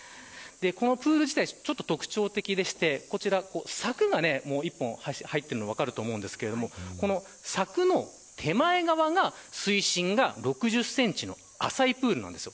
プール自体、特徴的でして柵が１本入っているのが分かると思いますが柵の手前側が水深が６０センチの浅いプールなんです。